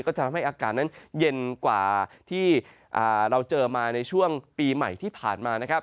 ก็จะทำให้อากาศนั้นเย็นกว่าที่เราเจอมาในช่วงปีใหม่ที่ผ่านมานะครับ